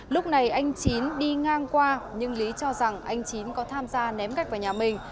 lúc này anh chín đi ngang qua nhưng lý cho rằng anh chín có tham gia ném gạch vào nhà mình